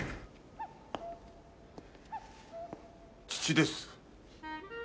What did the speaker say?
父です。